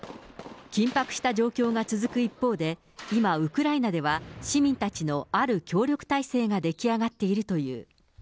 緊迫した状況が続く一方で、今、ウクライナでは、市民たちのある協力態勢が出来上がっているという。